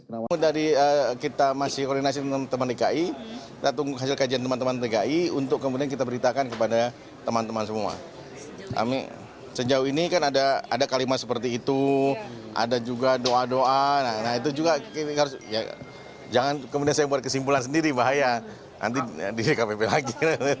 nah itu juga jangan kemudian saya buat kesimpulan sendiri bahaya nanti di kpp lagi